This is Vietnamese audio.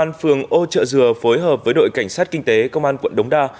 công an phường ô trợ dừa phối hợp với đội cảnh sát kinh tế công an quận đống đa